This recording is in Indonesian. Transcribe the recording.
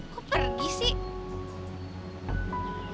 kok pergi sih